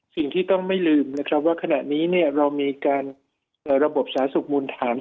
สิ่งที่ต้องไม่ลืมขณะนี้เรามีการระบบสาธารณ์ที่สมรถัน